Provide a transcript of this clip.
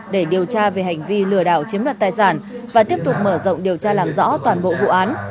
để điều tra về hành vi lừa đảo chiếm đoạt tài sản và tiếp tục mở rộng điều tra làm rõ toàn bộ vụ án